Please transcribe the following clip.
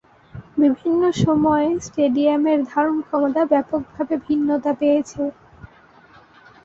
বিভিন্ন সময়ে স্টেডিয়ামের ধারণক্ষমতা ব্যাপকভাবে ভিন্নতা পেয়েছে।